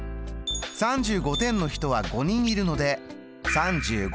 ３５点の人は５人いるので３５×５。